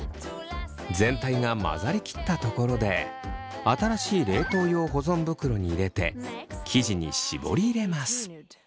全体が混ざりきったところで新しい冷凍用保存袋に入れて生地に絞り入れます。